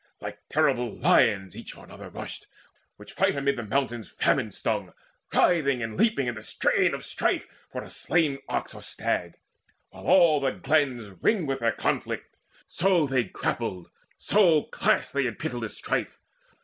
Like terrible lions each on other rushed, Which fight amid the mountains famine stung, Writhing and leaping in the strain of strife For a slain ox or stag, while all the glens Ring with their conflict; so they grappled, so Clashed they in pitiless strife.